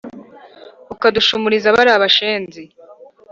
Ukadushumuriza bariya bashenzi